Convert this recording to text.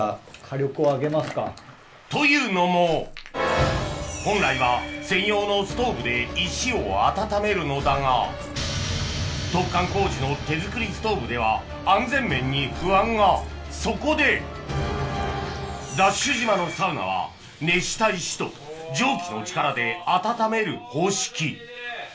というのも本来は専用のストーブで石を温めるのだが突貫工事の手作りストーブでは安全面に不安がそこでＤＡＳＨ島のサウナは熱した石と蒸気の力で温める方式